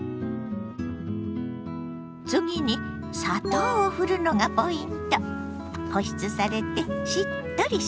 次に砂糖をふるのがポイント。